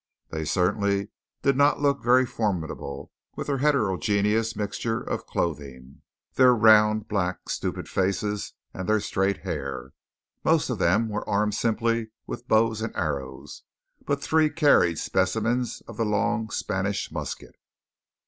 They certainly did not look very formidable, with their heterogeneous mixture of clothing, their round, black, stupid faces and their straight hair. Most of them were armed simply with bows and arrows, but three carried specimens of the long Spanish musket.